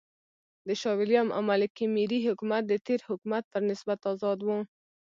د شاه وېلیم او ملکې مېري حکومت د تېر حکومت پر نسبت آزاد و.